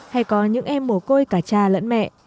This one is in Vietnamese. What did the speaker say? hay có những em mồ côi cả cha lẫn mẹ